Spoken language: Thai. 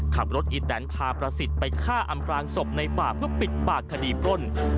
ขับรถอีนแตนพาประสิตไปฆ่าอำรางศพในป่าเพื่อปิดปากคดีปล้น